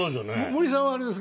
森さんはあれですか？